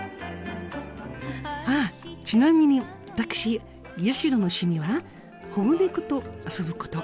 ああちなみに私八代の趣味は保護猫と遊ぶこと。